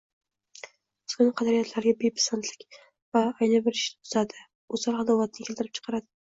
O‘zganing qadriyatlariga beandishalik har bir ishni buzadi, o‘zaro adovatni keltirib chiqaradi...